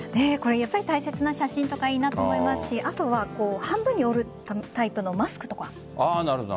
やっぱり大切な写真とかいいなと思いますし半分に折るタイプのマスクとか。